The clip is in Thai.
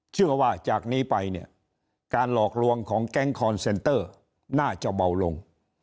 เชื่อว่าจากนี้ไปเนี่ยการหลอกลวงของแก๊งคอนเซนเตอร์น่าจะเบาลง